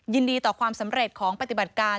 ยินดีต่อความสำเร็จของปฏิบัติการ